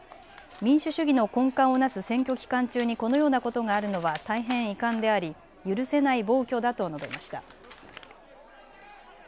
民主主義の根幹をなす選挙期間中にこのようなことがあるのは大変遺憾であり許せない暴挙だと述べました。